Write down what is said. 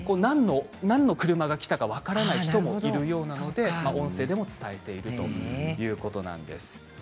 何の車が来たか分からないということで音声でも伝えているということです。